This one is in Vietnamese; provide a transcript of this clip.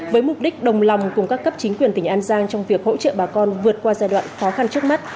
với mục đích đồng lòng cùng các cấp chính quyền tỉnh an giang trong việc hỗ trợ bà con vượt qua giai đoạn khó khăn trước mắt